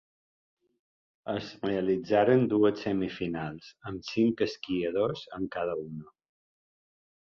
Es realitzaren dues semifinals amb cinc esquiadors en cada una.